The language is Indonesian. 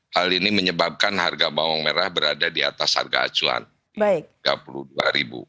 hal ini menyebabkan harga bawang merah berada di atas harga acuan rp tiga puluh dua